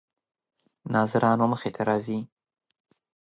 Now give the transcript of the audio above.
ناظرانو مخې ته راځي.